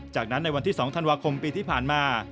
จากนั้นในวันที่๒ธันวาคมปีที่ผ่านมา